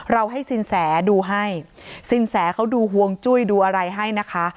ให้สินแสดูให้สินแสเขาดูห่วงจุ้ยดูอะไรให้นะคะ